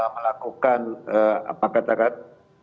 melakukan apa katakan